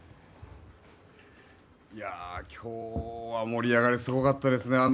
いや、今日は盛り上がりがすごかったですね。